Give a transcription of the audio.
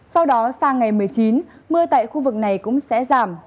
sau đó sang ngày một mươi chín mưa tại khu vực này cũng sẽ giảm